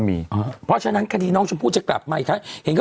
เพราะฉะนั้นคดีน้องชมพู่จะกลับมาอีกครั้งเห็นก็